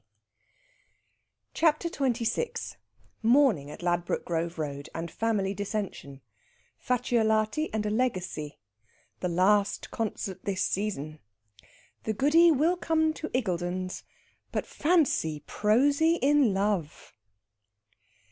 CHAPTER XXVI MORNING AT LADBROKE GROVE ROAD, AND FAMILY DISSENSION. FACCIOLATI, AND A LEGACY. THE LAST CONCERT THIS SEASON. THE GOODY WILL COME TO IGGULDEN'S. BUT FANCY PROSY IN LOVE!